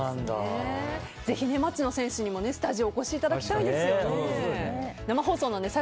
ぜひ町野選手にもスタジオにお越しいただきたいですね。